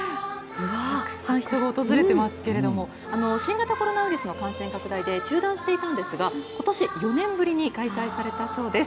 たくさん人が訪れていますけど新型コロナウイルスの感染拡大で中断していたんですがことし４年ぶりに開催されたそうです。